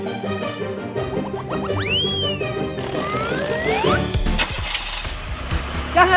gaput tuh gampang kanan